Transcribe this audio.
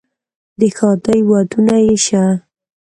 د ښادۍ ودونه یې شه،